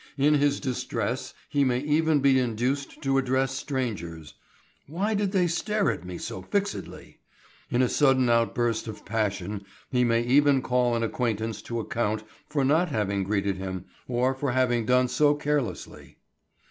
In his distress he may even be induced to address strangers. "Why did they stare at me so fixedly?" In a sudden outburst of passion he may even call an acquaintance to account for not having greeted him or for having done so carelessly.